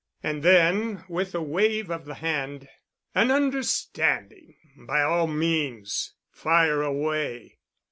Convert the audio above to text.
And then, with a wave of the hand, "An understanding—by all means. Fire away."